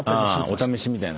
あお試しみたいな。